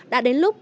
đã đến lúc